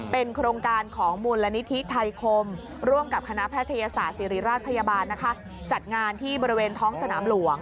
เป็นโครงการของมูลนิธิไทยคมร่วมกับคณะแพทยศาสตร์ศิริราชพยาบาลนะคะจัดงานที่บริเวณท้องสนามหลวง